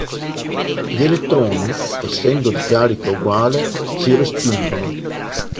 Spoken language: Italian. Gli elettroni, essendo di carica uguale, si respingono.